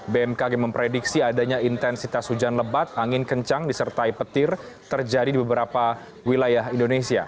bmkg memprediksi adanya intensitas hujan lebat angin kencang disertai petir terjadi di beberapa wilayah indonesia